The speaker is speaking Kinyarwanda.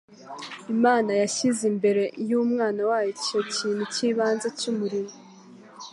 Imana yashyize imbere y'Umwana wayo icyo kintu cy'ibanze cy'umurimo.